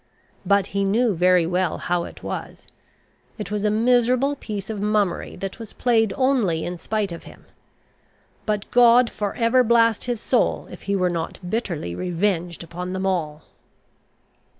But he knew very well how it was: it was a miserable piece of mummery that was played only in spite of him. But God for ever blast his soul, if he were not bitterly revenged upon them all!